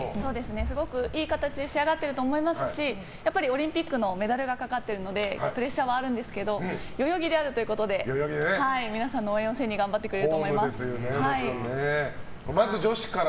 すごくいい形で仕上がっていると思いますしオリンピックのメダルがかかってるのでプレッシャーはあるんですけど代々木でやるということで皆さんの応援を背に頑張ってくれると思います。